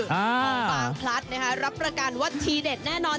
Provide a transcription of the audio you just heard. น้องฟางพลัดนะคะรับประกันว่าทีเด็ดแน่นอน